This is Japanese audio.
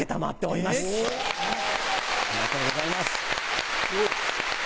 ありがとうございます。